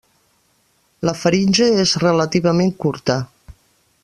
La faringe és relativament curta.